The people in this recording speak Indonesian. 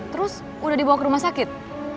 terus udah dibawa ke rumah sakit